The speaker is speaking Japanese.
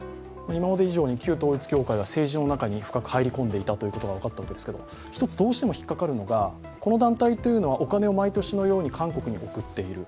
今まで以上に旧統一教会が政治の中に深く入り込んでいたことが分かったわけですけど１つどうしてもひっかかるのがこの団体というのはお金を毎年のように韓国に送っている。